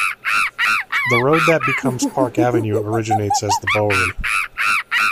The road that becomes Park Avenue originates as the Bowery.